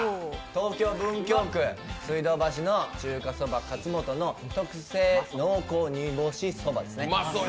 東京・文京区水道橋の中華そば勝本の特製濃厚煮干しそばですね。